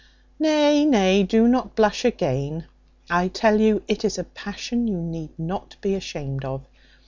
Nay, nay, do not blush again. I tell you it is a passion you need not be ashamed of.